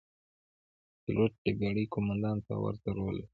پیلوټ د بېړۍ قوماندان ته ورته رول لري.